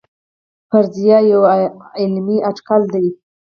فرضیه یو علمي اټکل دی